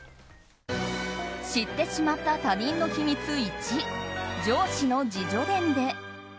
知ってしまった他人の秘密１上司の自叙伝で。